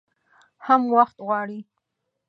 هم وخت غواړي .